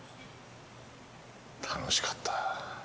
楽しかった。